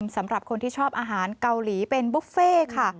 สำหรับคนที่ชอบอาหารเกาหลีเป็นบุฟเฟ่ค่ะ